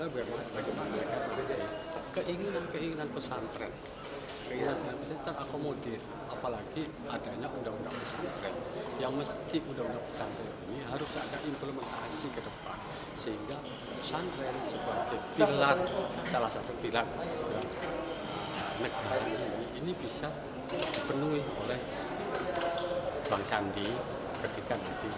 bisa dipenuhi oleh bang sandi ketika nanti cek